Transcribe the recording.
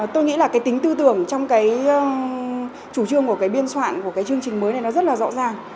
tôi nghĩ là cái tính tư tưởng trong cái chủ trương của cái biên soạn của cái chương trình mới này nó rất là rõ ràng